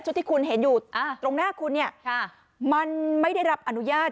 ที่คุณเห็นอยู่ตรงหน้าคุณเนี่ยมันไม่ได้รับอนุญาต